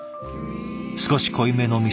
少し濃いめの味